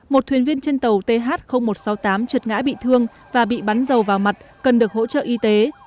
một thuyền viên trên tàu th một trăm sáu mươi tám trượt ngã bị thương và bị bắn dầu vào mặt cần được hỗ trợ y tế